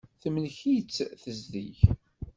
Temlek-itt tezdeg.